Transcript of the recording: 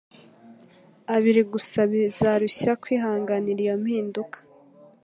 abiri gusa, bizarushya kwihanganira iyo mpinduka.